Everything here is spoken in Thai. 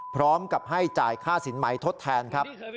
พร้อมกับให้จ่ายค่าสินใหม่ทดแทนครับ